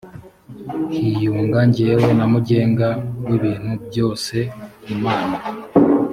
hiyunga jyewe na mugenga w ibintu byose imana